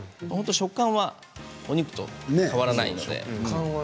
食感はお肉と変わらない。